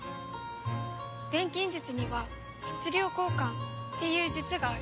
錬金術には質量交換っていう術がある。